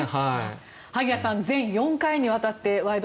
萩谷さん全４回にわたって「ワイド！